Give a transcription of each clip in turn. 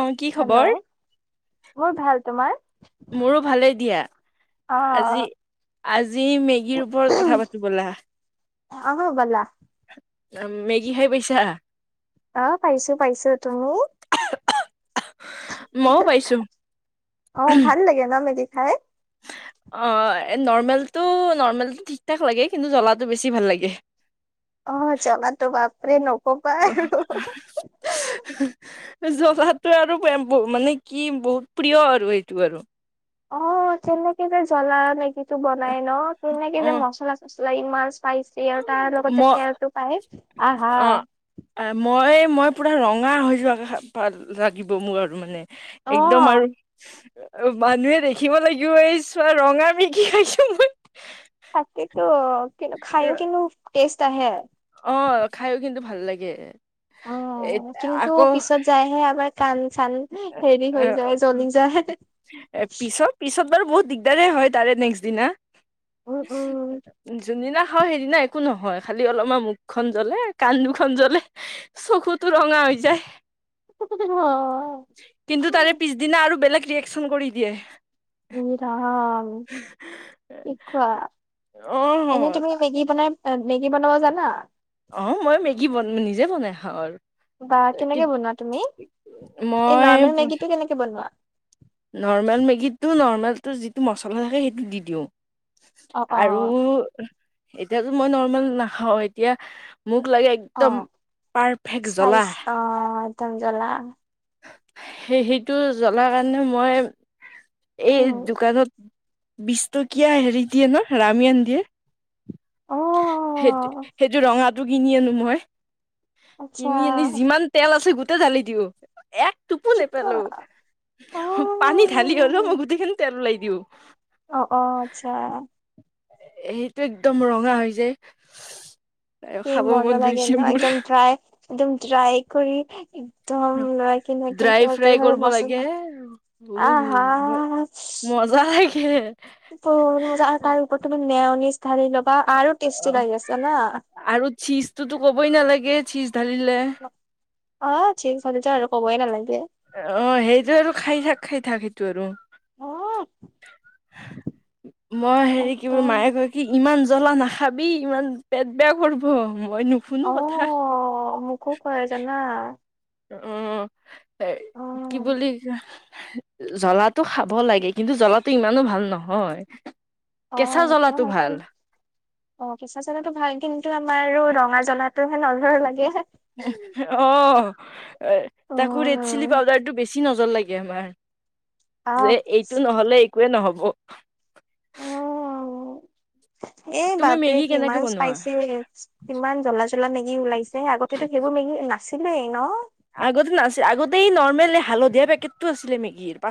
আহ কি হেল্ল' খবৰ, মোৰ ভাল তোমাৰ মোৰো ভালেই দিয়া অ আজি, আজি, মেগীৰ ওপৰত কথা পাতো বলা অ', গ'লা মেগী খাই পৈছা? অ', পাইছো, পাইছো, তুমি মইও, পাইছো অহ, ভাল লাগে ন, মেগি খাই অ', নৰ্মেলটো, নৰ্মেলটো, ঠিক ঠাক লাগে কিন্তু জ্বলাটো বেছি ভাল লাগে [unintelligible] অ', জলাাতো বাপৰে, নকবা আৰু [unintelligible] জলাটো আৰু মানে, কি বহুত প্ৰিয় আৰু সেইটো আৰু অ তেনেকে যে জ্বলা লেকিো বনাই ন তেনেকে অ যে মচলা চচলা ইমান পাইছে আৰু তাৰ লগতে মই তেলতটো পাই আহা অ মই মই পুৰা ৰঙা হৈ যোৱা লাগিব মোৰ আৰু মানে অ একদম আৰু অ মানুহে দেখিব লাগিব এই চোৱা ৰঙ আ মিিকি খাইছো মই তাকেইতো কিন্তু খাই কিন্তু টেষ্ট আহে অ খাইো কিন্তু ভাল লাগে অ এ কিন্তু আকৌ পিছত যায়হে আবাৰ কণ চান হেৰি হৈ যায় জ্বলি যায় এ পিছত পিছত বাৰু বহুত দিগদাৰে হয় তাৰে নেক্সট দিনা উম উম যুনা আহ সেইদিনা একো নহয় খালি অলপমান মুখখন জ্বলে কান্দ দুখনন জ্বলে চকুতো ৰঙা হৈ যায় ঘ কিন্তু তাৰে পিছদিনা আৰু বেলেগ ৰিয়েকশচন কৰি দিয়ে া কি কোৱা এনে অ', তুমি মেগী বনাই নেগী বনাব জানা অ মই মেগী বন নিজে বনাই খাওঁ আৰু বা কেনেকে বনোৱা তুমি এই মই নৰ্মেল মেগী টো কেনেকে বনোৱা নৰ্মেল মেগীটো নৰ্মেলটো যিটো মছলা থাকে সেইটো দি দিওঁ অ অ আৰু এতিয়াতো মই নৰ্মেল নাখাও এতিয়া মোক লাগে অ একদম পাৰফেক্ট জ্বলা ম জলা সেই সেইটো জ্বলাৰ কাৰণে মই এই উম দোকানত বিটকীয়া হেৰি দিয়ে ন ৰামায়ান দিয়ে অ সেইটো সেইটো ৰঙাটো কিনি আনো মই আচ্ছা কিনি আনি যিমান তেল আছে গোটেই ঢালি দিওঁ এক টোপো কি কোৱা নেপেলো অ পানীত খালি গলো মই গোতেেইখিনি তেল লাই দিব অ অ আচ্ছা সেইটো একদম ৰঙা হৈ যায় কি খাব মজা মন লাগে গৈছে ন মোৰ একদম ্ৰাই একদম ্ৰাই কৰি ত ল কি ড্ৰাই তম ত ফ্ৰাই ঘ কৰিব বচ লাগে না আহ হা যাই কিে প আৰু তাৰ ওপৰত তমি নেওনিজ ঢালি ল'বা আৰু অ টেষ্টি লাগি আছে না আৰু চিজটোতো ক'বই নালাগে চিজ ঢালিলে অ ঠিক হলেছ আৰু কবই নালাগে অ সেইটো আৰু খাই থাক খাই থাক সেইটো আৰু অ', মই হেৰি কি বুলিোলো একদম মায়ে কৈ কি ইমান জ্বলা নাখাবি ইমান পেট বেয়া কৰিব মই নুশুনো কথা খ' ক আছ না উ কি বুলি জ্বলাো খাব লাগে কিন্তু জ্বলাটো ইমানো ভাল নহয় অ', কেঁচা সেইটোও জ্বলাটো হয় ভাল কিন্তু অ ফিচা জ্বলাটো ভাল কিন্তু আমাৰ আৰু ৰঙা জ্বলাো হে নজৰ লাগেে অ তাক ৰেড চিলি অ', পাউডাৰ টো বেছি বেছি নজৰ লাগে আমাৰ আহ যে এইটো নহ'লে একোৱে নহব এ তুমি বাপৰে মেগী কেনেকে কিমান বনোৱা স্পাইচি ইমান জ্বলা জ্বলা মেগি ওলাইছে আগতেতো সেইবোৰ মেগী নাছিলেই ন আগতে, না আগতেই নৰ্মেল হালধীয়া পেকটতটো আছিলে মেগীৰ প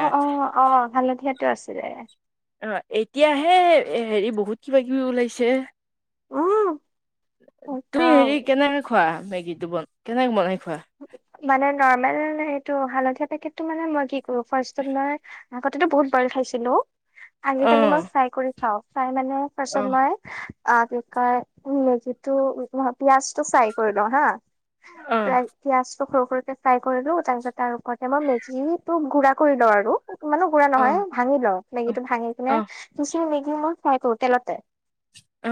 অ, অ, অ, হালধীয়াটো আছিলে অ', এতিয়াহে হেৰি, বহুত কিবা কিবি ওলাইছে উম, তুমি একদম হেৰি কেনেকে খোৱা, মেগীটো বন কেনেকে বনাই খোৱা মানে নৰ্মেল, এইটো হালধীয়া পেকটটো মানে মই কি কৰো, ফাৰ্ষত মই আগতিতটো বহুত বইল খাইছিলো, অ আজিিকালি মই ফ্ৰাই কৰি খাও, ফ্ৰাই মানৰ অ পাছত মই আপ মেগীটো, পিয়াজ টো ফ্ৰাই কৰি লওঁ হা অ [unintelligible] পিয়াজটো সৰু সৰুক ফ্ৰাই কৰিলো, তাৰপিছত তাৰ ওপৰতে মই মেদিটো গুড়া কৰি লওঁ আৰু ইমানো বুঢ়া অ নহয়, ভাঙি ল অ মেগীটো ভাঙি অ কি দুচ মেগী মোৰ চাইটো তেলতে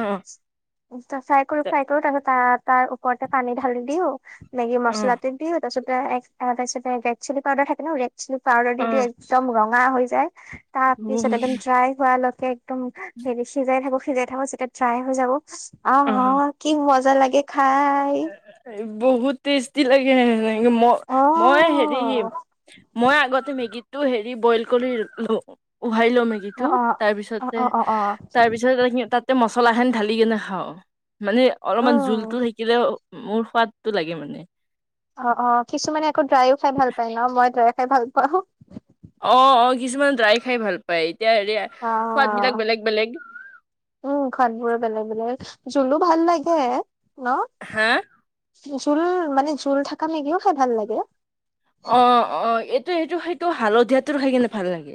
অ', ফ্ৰাই কৰো, ফ্ৰাই কৰো, তাৰপত তাৰ ওপৰতে পানী ঢালি দিও, মেগি অ মছলা দিওঁ তাৰপিছতে, তাৰিছতে ৰেড চিলি পাউডাৰ থাকে, ন ৰেড চিলি পাউদাৰ অ দি দিওঁ একদম ৰং হৈ যায়, তাৰ পিছত একদম ড্ৰাই হোৱালৈকে একদম হেৰি সিজাই থাকো, সিজাই থাকো, যেতিয়া ড্রাই হৈ যাব, অ, অ, কি মজা লাগে খাই বহুত টেষ্টি লাগে আহ অ মই হেৰি, মই আগতে মেগী টো হেৰি বইল কৰি, ল উহাই ল' মেকি অ অ তাৰ পিছতে, অ অ অ অ তাৰ পিছত, তাতে মছলা খন ঢালি কিনে খাওঁ মানে, অলপমান উম জোলতটো থাকিলে, মোৰ সোৱাদতটো লাগে মানে অ, অ, কিছুমানে আকৌ, ড্ৰাইও খাই ভাল পায়, ন মই ড্ৰাই খাই ভাল পাও অ', অ', কিছুমান ড্ৰাই খাই ভাল পায়, এতিয়া হেৰি অ সোৱাদ বিলাক বেলেগ বেলেগ উম, খান বোৰ বেলেগ, বেলেগ, জুলো ভাল লাগে ন হা জোল মানে, জোল থকা মেগিও খাই ভাল লাগে অ, অ, এইটো, এইটো সেইটো হালধীয়াটো খাই কিনে ভাল লাগে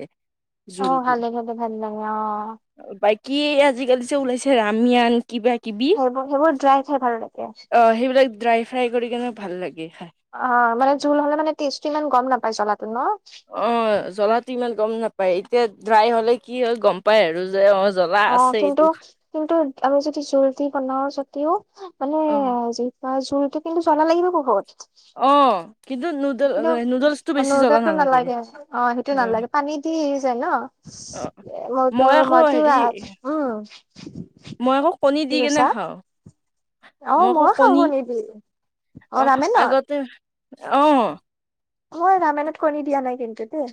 অ', জোলটো ভাল ভালে ভাল লাগে অ', বাকী আজিকালি যে, ওলাইছে ৰামিয়ান কিবা কিবি সেইবোৰ সেইবোৰ ড্ৰাই খাই ভাল লাগে অ', সেইবিলাক ড্ৰাই ফ্ৰাই কৰি কেনে ভাল লাগে খ অ', মানে, জোল হলে মানে টেষ্টটো ইমান গম নাপায় জ্বলাটো ন অ', জলাটো ইমান গম নাপায়, এতিয়া ড্ৰাই হলে কি হয়, গম পাই আৰু যে অ জ্বলা অ', আছে কিন্তু এইটো কিন্তু আমি যদি জুলদি বনাওঁ সতিও মানে অ', তাৰ চোৰতটো কিন্তু জলা লাগিব বুত অ, কিন্তু নুডল কিন্তু নুডলছটো বেছি জ্বলা নৰ্দাটো নালাগে অ, সেইটো উম। নালাগে পানী দি এৰি যায় অ', ন মটো মই আকৌ মটো হেৰি উম, মই আকৌ, কণী কি দি কেনে কৈছা খাওঁ অ মই আকৌ মইও খাওঁ কণী, দি অ', আগতে অ ম কণী দিয়া নাই কিন্তু দেই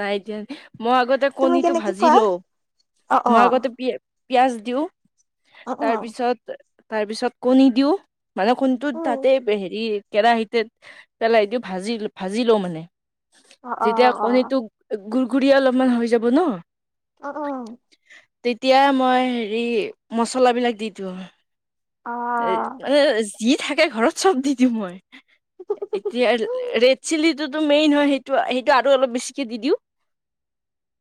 নাই দিয়া, মই আগতে তুমি কণীটো কেনেকে ভাজি খোৱা লো অ অ মই আগতে পিয়াজ দিওঁ, অ অ তাৰপিছত তাৰপিছত কণী দিওঁ মানে, [unintelligible] উম তাতে হেৰি কেৰাহিতে পেলাই দি ভাজি ভাজি লওঁ মানে অ অ যেতিয়া অ কণীটো, গুৰ ঘুৰি অলপমান হৈ যাব ন অ,, তেতিয়া মই হেৰি মছলাবিলাক দি দিওঁ অ, এ, যি থাকে ঘৰত চব দি দিওঁ মই এতিয়া ৰেড চিলিটো তো মেইন হয়, সেইটো সেইটো আৰু অলপ বেছিকৈ দি দিওঁ।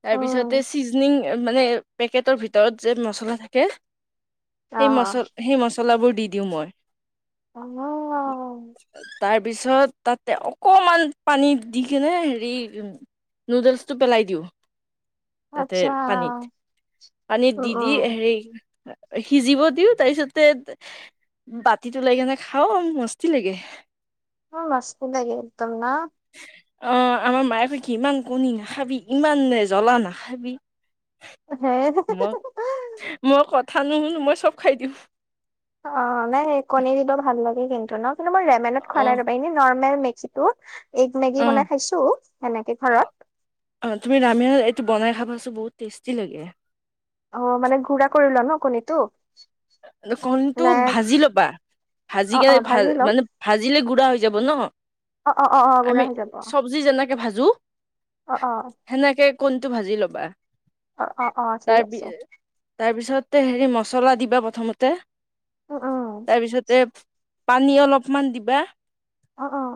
তাৰ পাছতে উম চিজনিঁ মানে পেকেটৰ ভিতৰত যে মছলা থাকে অ সেই মচলা সেই মচলা পচলাবোৰ দি দিওঁ মই অ অ তাৰ পিছত তাতে অকমান পানী দি কেনে হেৰি উ নুডলছটো পেলাই দিওঁ তাতে আচ্ছা পানীত পানীত উম দি দি উম হেৰি সিজিব দিও তাৰপিছত বাতিতলাই কিনে খাও মস্তি লাগে উ মছদাগে তম ন অ আমাৰ মায়োক ইমান কণী নাখাবি ইমান জ্বলা নাখাবি হে মই মই কথা নুশুনো মই চব খাই দিওঁ অ নাই কণী দিব ভাল লাগে কিন্তু ন কিন্তু মই ৰেমনত খোৱা নাই অ', ৰবা এনেই নৰ্মেল মিক্স টো এগ মেগী বনাই অ'। খাইছো এনেকে ঘৰত অ', অ তুমি দামিয় এইটো বনাই খাব পাইছো বহুত টেষ্টি লাগে অ মানে ঘুৰা কৰিল ন কণীটো কণীটো নে ভাজি ল'বা ভাজি অ কে অ ভ ভাজি ল'ম মানে ভাজিলে গুড়া হৈ যাব ন অ অ বুঢ়া আমি হৈ যাব চব্জি যেনেকে ভাজো অ অ সেনেকে কোনটো ভাজি ল'বা অ অ অ ঠিক তাৰপ আছে তাৰপিছতে হেৰি মচলা দিবা প্ৰথমতে উম উম তাৰপিছতে পানী অলপমান দিবা অ অ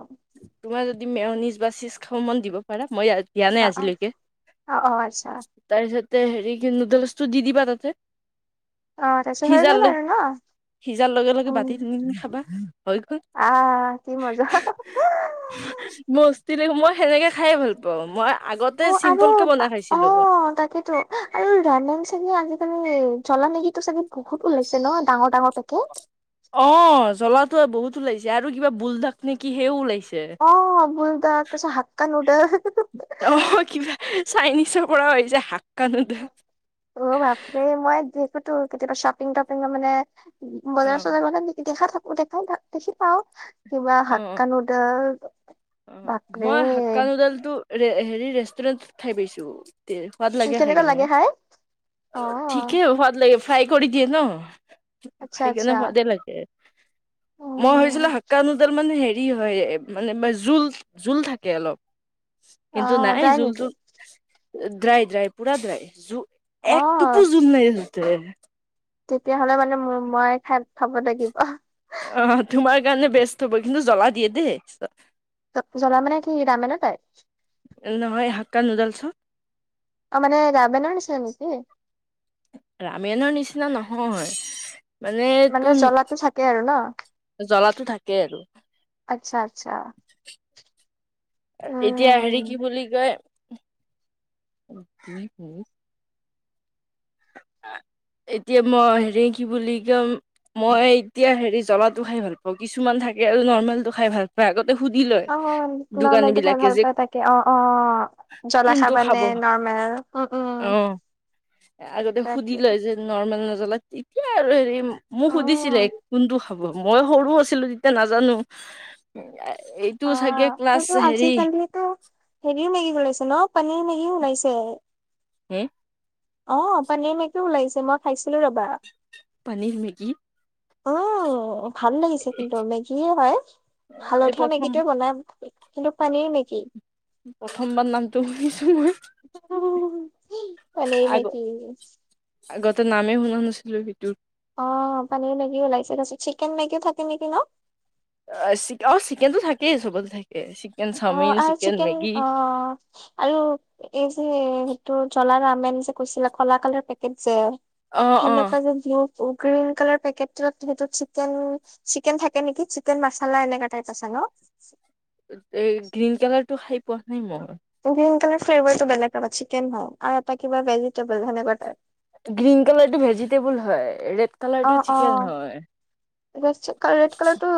তোমাৰ যদি দিম নিশ বাচিছ খন দিব পাৰা মই দিয়া অ নাই অ আজিলৈকে অ অ আচ্ছা তাৰপিছতে হেৰি নুডলছটো দি দিবা তাতে অ তছ হৈ গ'ল সিজালে আৰু ন সিজাৰ লগে লগে উম বাতি নিন খাবা হৈ গল আহ কি মজা বস্তি দেখো মই সেনেকে খাইে ভাল পাওঁ মই আগতে অ আৰু চিম্পুলকৈ বনাই খাইছিলোঁ অ তাকেইেতয়ে আৰু ৰানেন চাগে আজিকালি জ্বলা নেকি চাগত বহুত ওলাইছে ন ডাঙৰ ডাঙৰ তাকে অ জ্বলাতো বহুত ওলাইছে আৰু কিবা বোলধাক নেকি সেও ওলাইছে অ বুলদা তছ হাককা নুডেল অ কিবা চাইনিজৰ পৰা হৈ যায় হাক কানোদ অ বাপৰে মই দেখোতো কেতিয়াবা শ্বপিং তপিং মানে অ বজাৰ চজাৰ লগত দেখা থাকো দেখাই দেখি পাও কিবা অ হাক্কা নুডেল অ মই হাক্কা নুডল টো হেৰি ৰেষ্টুৰেণ্টত খাই পাইছো এ সোৱাদ লাগে হয় কেনেকুৱা কেনে খাই অ ঠিকে ভোৱাদ লাগে ফাই কৰি দিয়ে ন আচ্ছা আচ্ছা খাইকনে ভজে লাগে মই উম হৈছিলো হাকানুডাল মানে হেৰি হয় মানে জোল জোল থাকে অলপ অ কিন্তু নাই যায় নেকি জোলটো ড্ৰাই ড্ৰাই পুৰা ড্ৰাই জ অ একটুপু জুল নাই জ তেতিয়াহলে মানে মই খাই খাব লাগিব আহ তোমাৰ কাৰণে বেস্ত হ'ব কিন্তু জ্বলা দিয়ে দেই জ্বলা মানে কি ৰাামোন তাই নহয় হাক্কা নুডলছত অ মানে ৰামেনান চতি ৰামায়ণৰ নিচিনা নহয়। মানে তোৰ, জ্বলাটো থাকে আৰু ন জ্বলাটো থাকে। আচ্ছা আচ্ছা। এতিয়া হেৰি, কি উম বুলি কয়? এতিয়া মই হেৰি, কি বুলি কম? মই এতিয়া হেৰি জ্বলা টো খাই ভাল পাওঁ, কিছুমান থাকে আৰু নৰ্মেল টো খাই ভাল পাই অ, নৰ্মেলটো খাই বিলাকে ভাল যে পাই তাকে অ, অ, জলা কোনটো চাবা খাব নে নৰ্মেল, উম, উম, অ আগতে সুধি তাকে লয় যে। নৰ্মেল নজলা তেতিয়া, আৰু হেৰি মোক অ সুধিছিলে কোনটো খাব মই সৰু আছিলো। এয়া নাজানো, এইটো চাগে ক্লাছ হেৰি টো হেৰিও মেগি ওলাইছে ন পনীৰ মেগিও ওলাইছে। হেম, অ, পানীৰ মেকে ওলাইছে মই খাইছিলো ৰ'বা। পানীৰ মেগি। অ, ভাল লাগিছে কিন্তু মেগিয়ে হয়, এই হালধীয়া মেগী। প্ৰথম বনাম কিন্তু পনীৰ মেগী। প্ৰথমবাৰ নাম পনীৰ আগ মেগি। আগতে নামেই শুনা নাছিলোঁ সেটোত। অ, পনীৰ মেগি ওলাইছে তাৰ পিছত চিকেন মেগীও থাকে নেকি ন। চ অ, চিকেনটো থাকেই চবতে থাকে চিকেন অ চাওমিন আৰু চিকেন মেগী। অ আৰু এই যে সেইটো জলা আমেন যে কৈছিলে খলা কালাৰ পেকেট যে। অ অ সেনেকুৱা যে গ্ৰীন কালাৰ পেকেট সেইটো চিকেন। চিকেন থাকে নেকি চিকেন মচালা এনেকা টাইপ আছে ন। এ গ্ৰীণ কালাৰ টো খাই পোৱা নাই মোৰ। গ্ৰীণ কালাৰ ফ্লেভাৰ বেলেগ চিকেন হ আৰু এটা কিবা ভেজিবলাই। গ্ৰীণ কালাৰটো ভেজিটেবল হয়, ৰেড অ কালাৰটো অ চিকেন হয়। ৰেড কালাৰ টো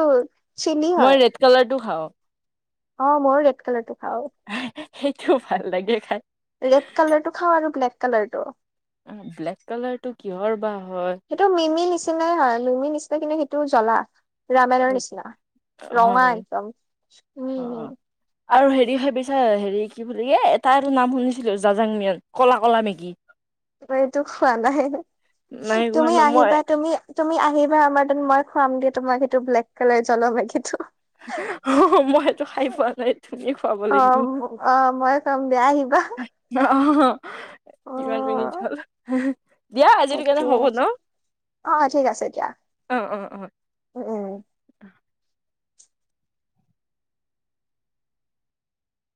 চিলি হয়। কালাৰ টো খাওঁ। অ, মোৰ ৰেট কাল তোক খাওঁ। সেইটোও ভাল লাগে খাই। ৰেড কালাৰটো খাওঁ আৰু ব্লেক কালাৰটো। অ, ব্লেক কালাৰ টো কিহৰ বা হয়। সেইটো মিমি নিচিনা হয়, মিমি নিচিনা কিন্তু সেইটো জ্বলা। ৰামায়ণৰ নিচিনা ৰঙা হয় একদম উম, অ আৰু হেৰি সে পিছে হেৰি কি বুলি কি এটাটো নাম শুনিছিলো জাজাং মিয়ান কলা কলা মেকি। এইটো খোৱা নাহে নাই খোৱা তুমি ন মই আহিবা তুমি। তুমি আহিবা আমাৰ মই খুৱাম দিয়া তোমাক সেইটো ব্লেক কালাৰ জ্বল সেটো। মইটো খাই পোৱা নাই, ধুনিয়া খুৱাব অ লাগিব। অ মই খুৱাম দিয়া আহিবা অ, অ কিমান মিনি হ'ল। দিয়া আজিৰ কাৰণে তাকে হ'ব ন, অ ঠিক আছে দিয়া অ, অ, অ, উম, উম,